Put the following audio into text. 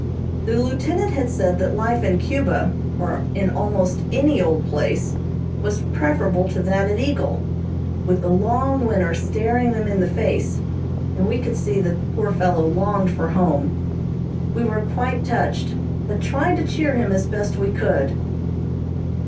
The lieutenant had said that life in Cuba, or in almost any old place was preferable to that at Eagle, with the long winter staring them in the face, and we could see that the poor fellow longed for home. We were quite touched, but tried to cheer him as best we could.